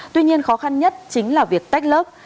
tuy nhiên khó khăn nhất chính là việc tách lớp